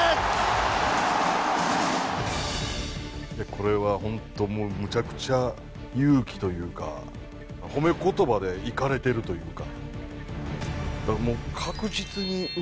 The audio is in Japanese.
これは、本当もうむちゃくちゃ勇気というか褒めことばでいかれてるというか。